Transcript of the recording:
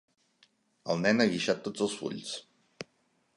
El nen ha guixat tots els fulls.